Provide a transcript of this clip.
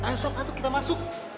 esok atau kita masuk